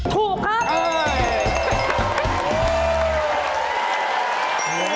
ถูกถูกถูก